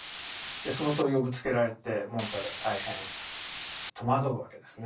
でその問いをぶつけられてモンターグは大変戸惑うわけですね。